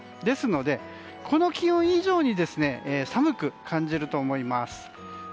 ですので、この気温以上に寒く感じると思います。